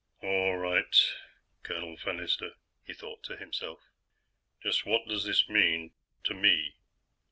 All right, Colonel Fennister, he thought to himself, _just what does this mean to me?